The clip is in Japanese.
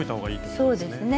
そうですね。